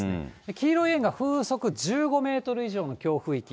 黄色い円が風速１５メートル以上の強風域。